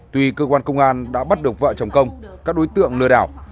tuy cơ quan công an đã bắt được vợ chồng công các đối tượng lừa đảo